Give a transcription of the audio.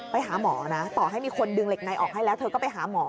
ไปหาหมอนะต่อให้มีคนดึงเหล็กในออกให้แล้วเธอก็ไปหาหมอ